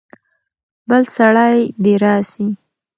بل سړی دې راسي.